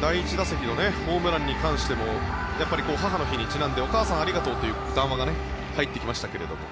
第１打席のホームランに関してもやっぱり母の日にちなんでお母さん、ありがとうという談話が入ってきましたけども。